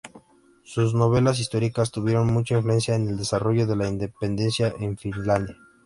Sus novelas históricas tuvieron mucha influencia en el desarrollo de la independencia de Finlandia.